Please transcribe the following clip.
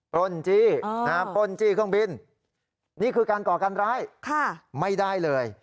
ปล้นจี้ปล้นจี้เครื่องบินนี่คือการก่อการร้ายไม่ได้เลย